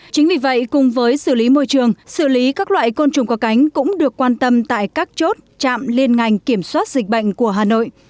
chính vì vậy cùng với xử lý môi trường xử lý các loại côn trùng có cánh cũng được quan tâm tại các chốt trạm liên ngành kiểm soát dịch bệnh của hà nội